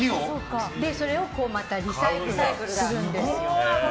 それをまたリサイクルするんです。